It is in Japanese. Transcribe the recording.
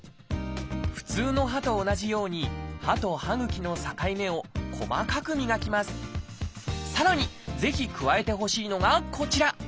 普通の歯と同じようにさらにぜひ加えてほしいのがこちら。